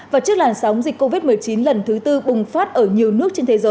và trước làn sóng dịch covid một mươi chín lần thứ tư bùng phát ở nhiều nước